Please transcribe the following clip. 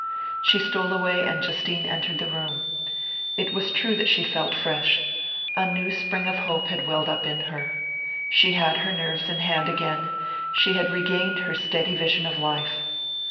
She stole away, and Justine entered the room. It was true that she felt fresh a new spring of hope had welled up in her. She had her nerves in hand again, she had regained her steady vision of life....